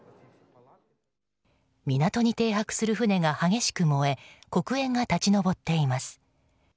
港に停泊する船が激しく燃え黒煙が立ち上っています。